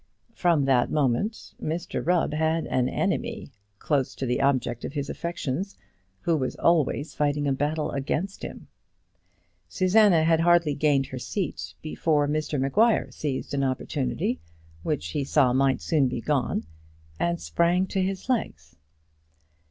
From that moment Mr Rubb had an enemy close to the object of his affections, who was always fighting a battle against him. Susanna had hardly gained her seat, before Mr Maguire seized an opportunity which he saw might soon be gone, and sprang to his legs.